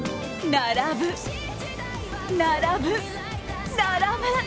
並ぶ、並ぶ、並ぶ。